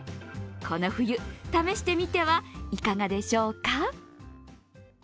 この冬、試してみてはいかがでしょうか？